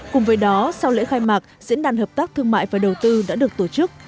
cùng với đó sau lễ khai mạc diễn đàn hợp tác thương mại và đầu tư đã được tổ chức